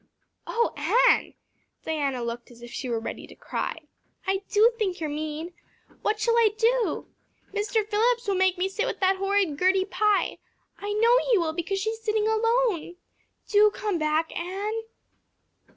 "Oh, Anne!" Diana looked as if she were ready to cry. "I do think you're mean. What shall I do? Mr. Phillips will make me sit with that horrid Gertie Pye I know he will because she is sitting alone. Do come back, Anne."